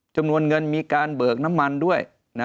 จำนวนเงินมีการเบิกน้ำมันด้วย